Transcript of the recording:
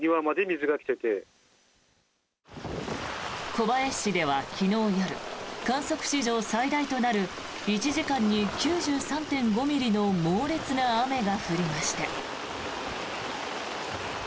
小林市では昨日夜観測史上最大となる１時間に９３．５ミリの猛烈な雨が降りました。